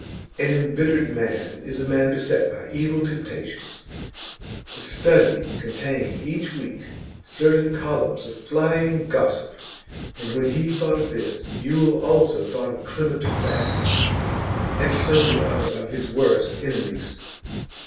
An embittered man is a man beset by evil temptations. The Study contained each week certain columns of flying gossip, and when he thought of this, Yule also thought of Clement Fadge, and sundry other of his worst enemies.